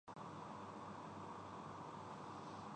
سب نے نیک خواہشات کے ساتھ ہمیں الوداع کیا